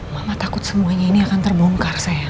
mama takut semuanya ini akan terbongkar saya